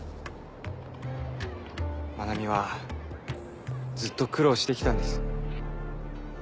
真名美はずっと苦労してきたんです。